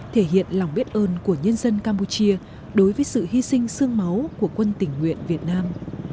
thể hiện lòng biết ơn của nhân dân campuchia đối với sự hy sinh sương máu của quân tỉnh nguyện việt nam